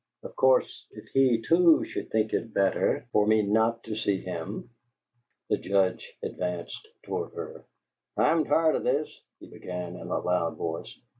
Of course, if he too should think it better for me not to see him " The Judge advanced toward her. "I'm tired of this," he began, in a loud voice.